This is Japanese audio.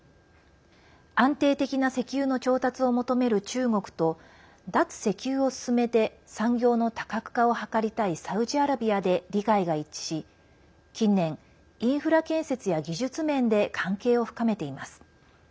安定的な石油の調達を求める中国と、脱石油を進めて産業の多角化を図りたいサウジアラビアで、利害が一致し近年、インフラ建設や技術面で関係を深めています。